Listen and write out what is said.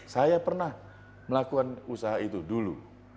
saya pernah melakukan usaha itu dulu